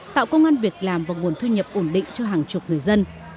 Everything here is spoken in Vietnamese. tạo công an việc làm và nguồn thu nhập ổn định cho hàng chục người dân